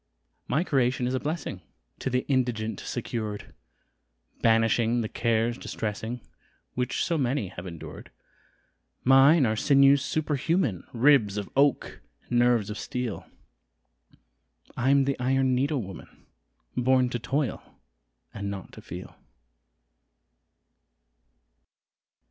My creation is a blessing To the indigent secured, Banishing the cares distressing Which so many have endured: Mine are sinews superhuman, Ribs of oak and nerves of steel I'm the Iron Needle Woman Born to toil and not to feel.